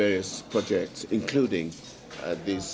jadi kita terus menemui proses yang lebih sukar and i am